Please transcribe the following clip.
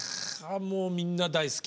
もうみんな大好き！